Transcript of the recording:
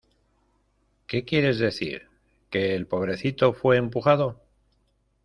¿ Qué quieres decir? Que el pobrecito fue empujado...